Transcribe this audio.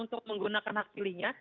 untuk menggunakan hak pilihnya